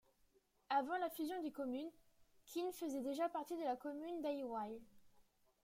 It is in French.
Avant la fusion des communes, Kin faisait déjà partie de la commune d'Aywaille.